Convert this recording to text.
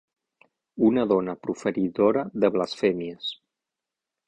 Una dona proferidora de blasfèmies.